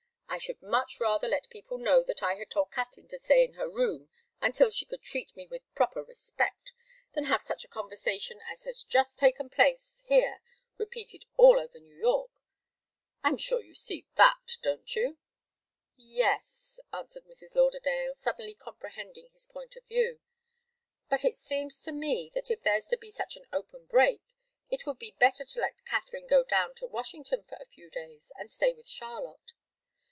I should much rather let people know that I had told Katharine to stay in her room until she could treat me with proper respect, than have such a conversation as has just taken place here repeated all over New York. I'm sure you see that, don't you?" "Yes," answered Mrs. Lauderdale, suddenly comprehending his point of view. "But it seems to me that if there's to be such an open break, it would be better to let Katharine go down to Washington for a few days and stay with Charlotte."